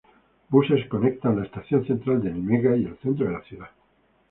Buses conectan la Estación Central de Nimega y el centro de la ciudad.